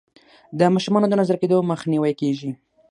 د ماشومانو د نظر کیدو مخنیوی کیږي.